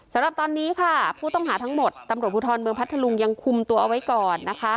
สำหรับตอนนี้ค่ะผู้ต้องหาทั้งหมดตำรวจภูทรเมืองพัทธลุงยังคุมตัวเอาไว้ก่อนนะคะ